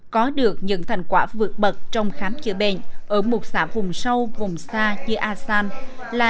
có được những thành quả vượt bật trong khám chữa bệnh ở một xã vùng sâu vùng xa như a sang là